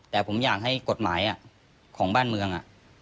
แต่ผมอยากให้กฎหมายของบ้านเมือง